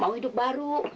mau hidup baru